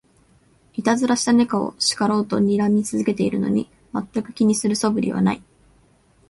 いたずらした猫を叱ろうとにらみ続けてるのに、まったく気にする素振りはない